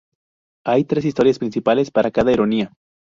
Hay tres historias principales, una para cada heroína.